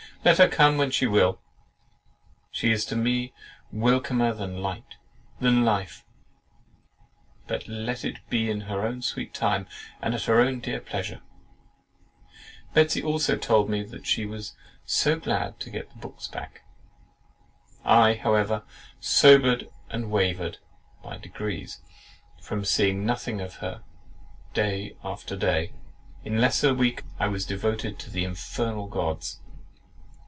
Let her come when she will, she is to me welcomer than light, than life; but let it be in her own sweet time, and at her own dear pleasure." Betsey also told me she was "so glad to get the books back." I, however, sobered and wavered (by degrees) from seeing nothing of her, day after day; and in less than a week I was devoted to the Infernal Gods.